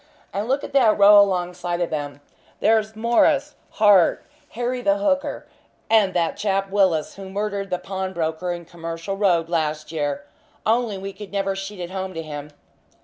And look at that row alongside of them there's Morris, Hart, Harry the Hooker, and that chap Willis who murdered the pawnbroker in Commercial Road last year, only we could never sheet it home to him.